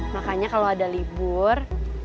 makanya kalau ada libur